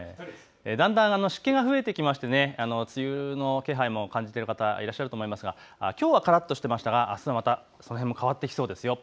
だんだん湿気が増えてきまして梅雨の気配も感じている方いらっしゃると思いますがきょうはからっとしていましたがあすまた変わってきそうですよ。